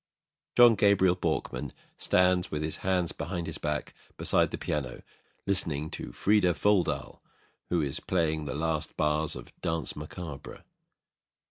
JOHN GABRIEL BORKMAN stands with his hands behind his back, beside the piano, listening to FRIDA FOLDAL, who is playing the last bars of the "Danse Macabre."